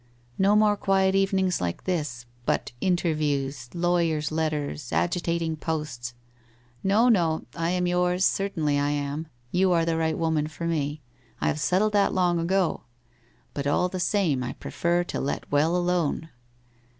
No more quiet evenings like this, but inter views, lawyer's letters, agitating posts ! No, no, I am yours, certainly I am, you are the right woman for me, I have settled that long ago, but all the same I prefer to let well alone